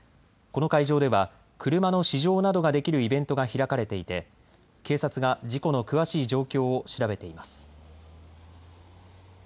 この会場では、車の試乗などができるイベントが開かれていて、警察が事故の詳しい状況を調べています。